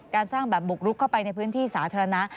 การสร้างแบบบุกลุกเข้าไปในพื้นที่สาธารณะ